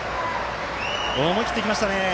思い切っていきましたね。